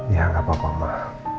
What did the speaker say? ya enggak apa apa mah